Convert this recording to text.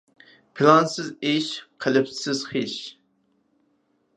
پىلانسىز ئىش، قېلىپسىز خىش.